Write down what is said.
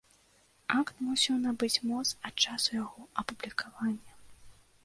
Акт мусіў набыць моц ад часу яго апублікавання.